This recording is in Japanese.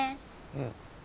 うん